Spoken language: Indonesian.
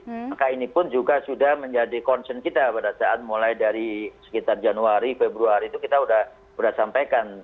maka ini pun juga sudah menjadi concern kita pada saat mulai dari sekitar januari februari itu kita sudah sampaikan